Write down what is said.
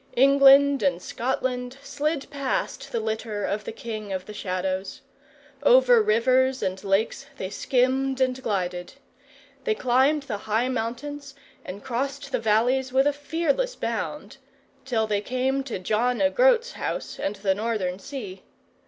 England and Scotland slid past the litter of the king of the Shadows. Over rivers and lakes they skimmed and glided. They climbed the high mountains, and crossed the valleys with a fearless bound; till they came to John o' Groat's house and the Northern Sea.